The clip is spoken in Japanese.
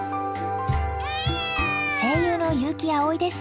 声優の悠木碧です。